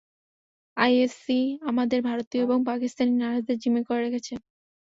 ISC আমাদের ভারতীয় ও পাকিস্তানি নার্সদের জিম্মি করে রেখেছে।